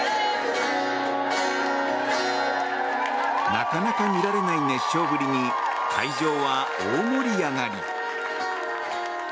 なかなか見られない熱唱ぶりに会場は大盛り上がり！